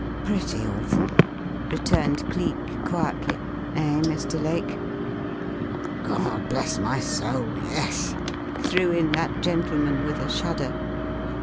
"Pretty awful," returned Cleek, quietly; "eh, Mr. Lake?" "God bless my soul yes!" threw in that gentleman, with a shudder.